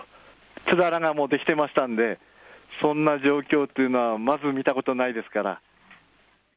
つららがもう出来てましたんで、そんな状況っていうのは、まず見たことないですから。